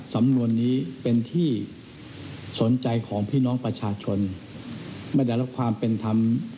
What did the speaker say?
สำนวนนี้เป็นที่สนใจของพี่น้องประชาชนไม่ได้รับความเป็นธรรม